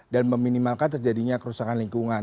dan meminimalkan terjadinya kerusakan lingkungan